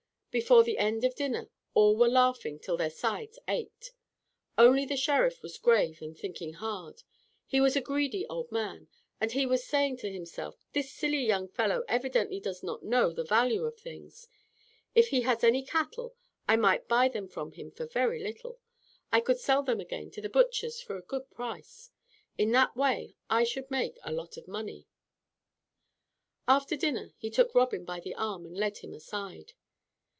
Before the end of dinner all were laughing till their sides ached. Only the Sheriff was grave and thinking hard. He was a greedy old man, and he was saying to himself, "This silly young fellow evidently does not know the value of things. If he has any cattle I might buy them from him for very little. I could sell them again to the butchers for a good price. In that way I should make a lot of money." After dinner he took Robin by the arm and led him aside.